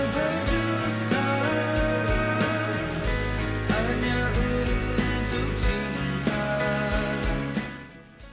kenapa berdusta hanya untuk cinta